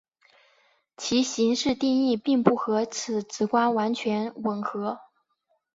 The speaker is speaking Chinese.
其形式定义并不和此直观完全吻合。